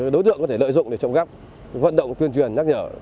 đối tượng có thể lợi dụng để trộm cắp vận động tuyên truyền nhắc nhở